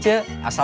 terima kasih ip